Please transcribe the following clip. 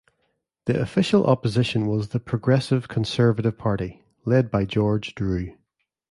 The Official Opposition was the Progressive Conservative Party, led by George Drew.